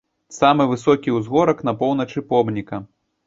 Самы высокі ўзгорак на поўначы помніка.